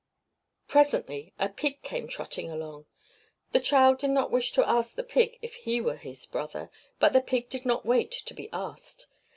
Presently a pig came trotting along. The child did not wish to ask the pig if he were his brother, but the pig did not wait to be asked.